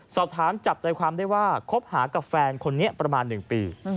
สอบถามจับใจความได้ว่าคบหากับแฟนคนนี้ประมาณ๑ปี